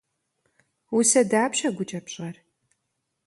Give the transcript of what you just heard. Усэ дапщэ гукӏэ пщӏэр?